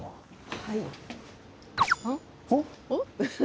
はい。